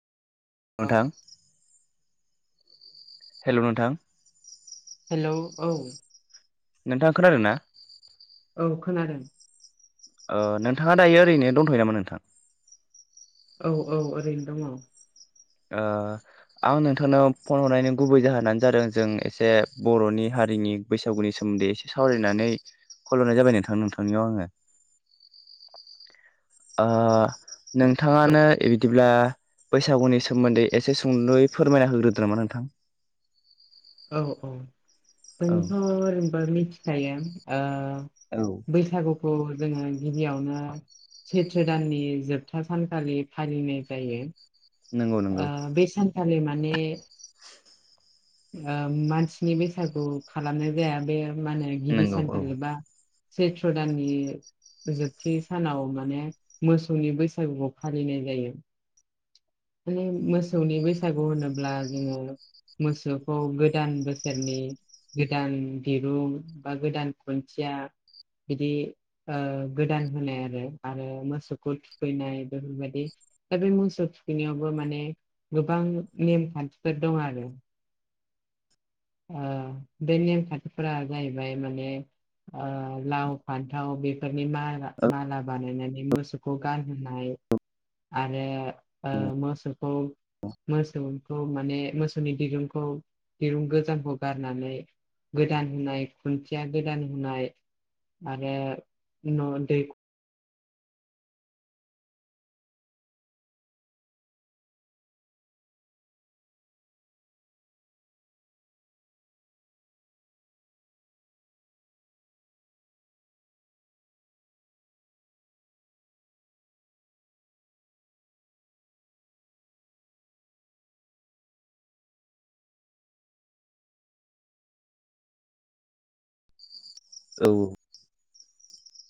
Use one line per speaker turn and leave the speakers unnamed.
औ
नोंथां हेलौ नोंथां।
हेलौ औ
नोंथाङा खोनादों ना?
औ खोनादों।
ओ नोंथाङा दायो ओरैनो दोनथयो नामा नोंथां?
औ औ ओरैनो दङ।
ओ आं नोंथांनो फन हरनायनि गुबै जाहोनानो जादों जों एसे बरनि हारिनि बैसागुनि सोमोन्दै दै एसे सावरायनानै खल हरनाय जाबाय नोंथां नोंथांनियाव आङो। ओ नोंथाङानो बि बिदिब्ला बैसागुनि सो सोमोन्दै एसे सुंदुै फोरमायना होग्रोदो नामा नोंथां?
औ औ
औ
जोंथ ओरैबो मिथिखायो ओ बैसागुखौ जोङो गिबियावनो सैथ्र दाननि जोबथा सानखालि फालिनाय जायो।
नंगौ नंगौ
आ बे सानखालि माने आ मानसिनि बेसादखौ खालामनाय जाया बे मा होनो गिदिर
नंगौ औ
सानखाालिबा सैत्र दाननि जोबथि सानाव माने मोसौनि बैसागुखौ फालिनाय जायो। माने मोसौनि बैसागु होनोब्ला जोङो मोसौखौ गोदान बोसोरनि गोदान दिरुं बा गोदान खुन्थिया बिदि ओ गोदान होनाय आरो आरो मोसौखौ थुखैनाय बेफोर बायदि दा बे मोसौ थुखैनायावबो माने गोबां नेम खान्थिफोर दं आरो। ओ बे नेम खान्थिफोरा जाहैबाय माने ओ लाव फान्थाव बेफोरनि माला माला बानायनानै मोसौखौ गानहोनाय आरो ओ मोसौ खौ मोसौखौ माने मोसौनि दिरुंखौ दिरुं गोजामखौ गारनानै गोदान होनाय खुन्थिया गोदान होनाय आरो न दै
औ